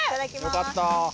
よかった